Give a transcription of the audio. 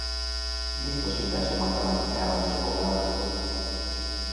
Biztosítási matematikával is foglalkozott.